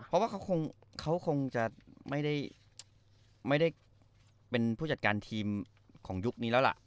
เพราะว่าเขาคงจะไม่ได้เป็นผู้จัดการทีมของยุคนี้แล้วล่ะ